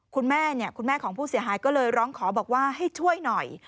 คุณแม่ของผู้เสียหายก็เลยร้องขอบอกว่าให้ช่วยหน่อย